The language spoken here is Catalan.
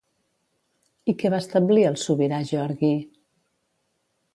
I què va establir el sobirà Georgui?